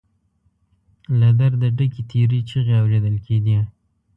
له درده ډکې تېرې چيغې اورېدل کېدې.